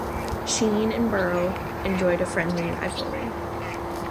Sheen and Berle enjoyed a friendly rivalry.